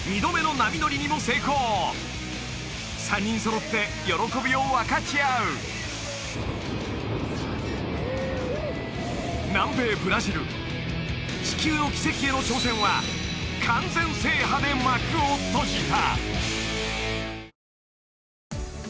よく３人揃って喜びを分かち合う南米ブラジル地球の奇跡への挑戦は完全制覇で幕を閉じた！